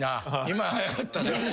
今早かったな。